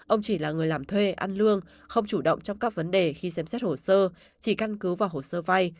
ông chỉ là người làm thuê ăn lương không chủ động trong các vấn đề khi xem xét hồ sơ chỉ căn cứ vào hồ sơ vay